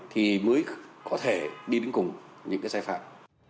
thì mới có thể đi đến cùng những cái sai phạm